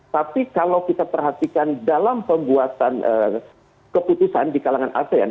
tapi kalau kita perhatikan dalam pembuatan keputusan di kalangan asean